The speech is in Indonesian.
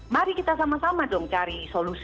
mari kita sama sama dong cari solusi